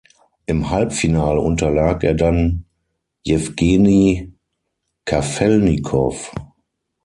Im Halbfinale unterlag er dann Jewgeni Kafelnikow.